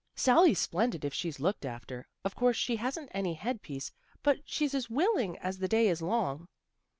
" Sally's splendid if she's looked after. Of course she hasn't any head piece, but she's as willing as the day is long."